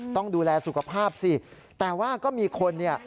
ต้องดูแลสุขภาพสิแต่ว่าก็มีคนเนี่ย